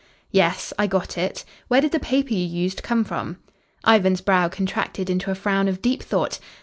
"Yes. I got it. Where did the paper you used come from?" Ivan's brow contracted into a frown of deep thought.